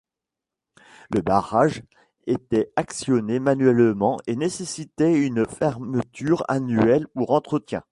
Le barrage était actionné manuellement et nécessitait une fermeture annuelle pour entretien.